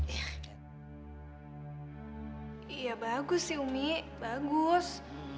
iya bagus sih umi bagus